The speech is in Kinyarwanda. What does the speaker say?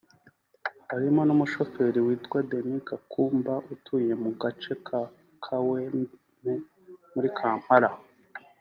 harimo n’umushoferi witwa Denis Gakumba utuye mu gace ka Kawempe muri Kampala